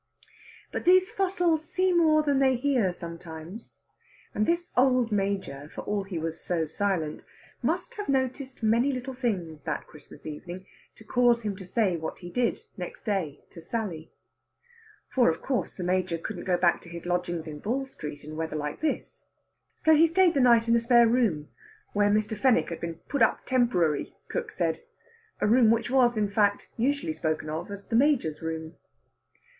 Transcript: But these fossils see more than they hear sometimes; and this old Major, for all he was so silent, must have noticed many little things that Christmas evening to cause him to say what he did next day to Sally. For, of course, the Major couldn't go back to his lodgings in Ball Street in weather like this; so he stayed the night in the spare room, where Mr. Fenwick had been put up tempory, cook said a room which was, in fact, usually spoken of as "the Major's room."